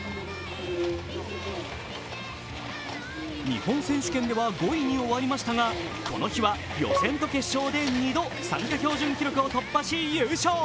日本選手権では５位に終わりましたがこの日は予選と決勝で２度、参加標準記録を突破し優勝。